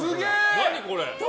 何これ。